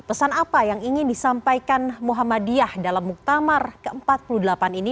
pesan apa yang ingin disampaikan muhammadiyah dalam muktamar ke empat puluh delapan ini